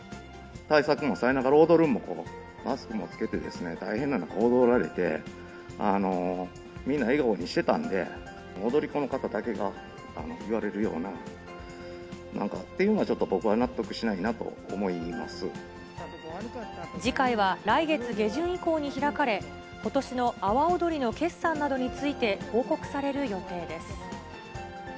対策もされながら、踊るのもマスクも着けて大変な中、踊られて、みんなを笑顔にしてたんで、踊り子の方だけが言われるようななんかっていうのは、僕はちょっ次回は来月下旬以降に開かれ、ことしの阿波おどりの決算などについて報告される予定です。